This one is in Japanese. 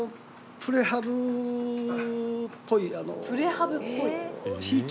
プレハブっぽい。